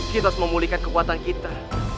kita harus memulihkan kekuatan kita